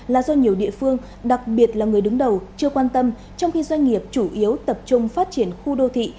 là do nhiều địa phương đặc biệt là người đứng đầu chưa quan tâm trong khi doanh nghiệp chủ yếu tập trung phát triển khu đô thị